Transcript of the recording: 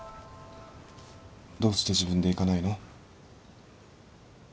どうして自分で行かないの？